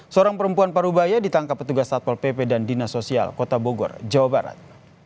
seorang perempuan parubaya ditangkap petugas satpol pp dan dinas sosial kota bogor jawa barat